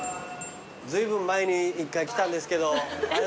ずいぶん前に１回来たんですけど。